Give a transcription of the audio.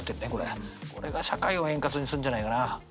これが社会を円滑にするんじゃないかな。